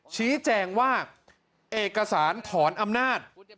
ชี้แจงว่าเอกสารถอนอำนาจ